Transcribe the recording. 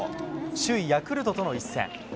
首位ヤクルトとの一戦。